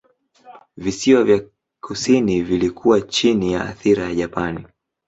Visiwa vya kusini vilikuwa chini ya athira ya Japani.